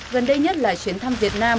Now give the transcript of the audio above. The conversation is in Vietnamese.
gần đây nhất là chuyến thăm việt nam nhật bản